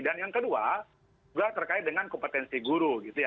yang kedua juga terkait dengan kompetensi guru gitu ya